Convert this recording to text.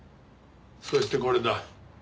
そしてこれだ。